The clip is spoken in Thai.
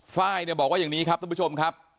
ฝ้ายเนี่ยบอกว่าอย่างนี้ครับทุกผู้ชม